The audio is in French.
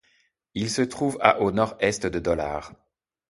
Il se trouve à au nord-est de Dollar.